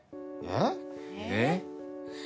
えっ？えっ？